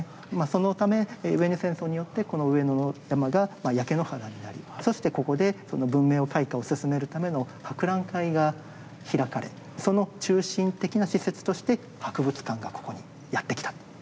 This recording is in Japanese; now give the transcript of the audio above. そのため上野戦争によってこの上野の山が焼け野原になりそしてここでその文明開花を進めるための博覧会が開かれその中心的な施設として博物館がここにやってきたと。